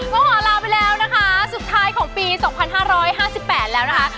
ก็ขอลาไปแล้วนะคะสุดท้ายของปี๒๕๕๘แล้วนะคะ